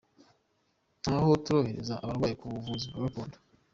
Ntaho turohereza abarwayi ku bavuzi ba gakondo.